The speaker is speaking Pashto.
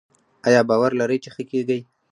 ایا باور لرئ چې ښه کیږئ؟